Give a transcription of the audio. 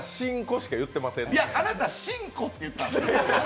あなた「しんこ」って言ったんです。